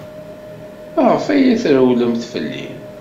Maɣef ay la trewwled fell-i?